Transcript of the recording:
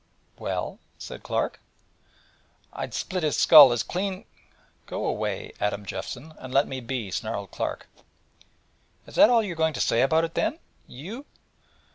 'Well?' said Clark. 'I'd split his skull as clean !' 'Go away, Adam Jeffson, and let me be!' snarled Clark. 'Is that all you've got to say about it, then you?'